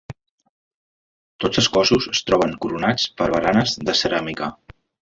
Tots els cossos es troben coronats per baranes de ceràmica.